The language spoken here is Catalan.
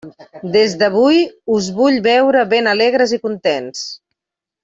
Des d'avui us vull veure ben alegres i contents.